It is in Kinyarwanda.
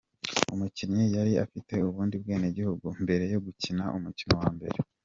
Umukinnyi yari afite ubundi bwenegihugu mbere yo gukina umukino wa mbere.